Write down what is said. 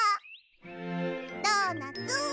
ドーナツ